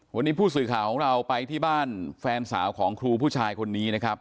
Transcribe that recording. วันนี้ผู้สื่อข่าวของเราไปที่บ้านแฟนสาวของครูผู้ชายคนนี้นะครับ